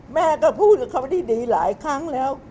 แม่ก็พูดคำดีหลายครั้งแล้ว